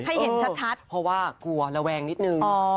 ให้เห็นชัดเพราะว่ากลัวระแวงนิดนึง